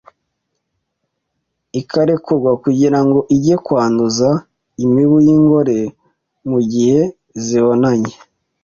ikarekurwa kugira ngo ijye kwanduza imibu y'ingore mu gihe zibonanye.